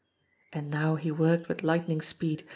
And now he worked with lightning speed.